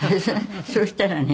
そしたらね